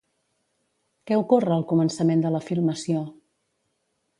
Què ocorre al començament de la filmació?